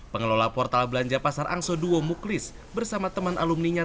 pengelola portal belanja pasar angso duo muklis bersama teman alumninya